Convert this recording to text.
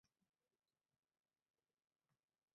Men siz aytgandayin hammani sevdim